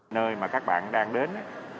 nơi mà các bạn đang đến